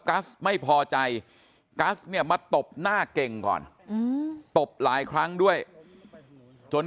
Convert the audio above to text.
ัสไม่พอใจกัสเนี่ยมาตบหน้าเก่งก่อนตบหลายครั้งด้วยจน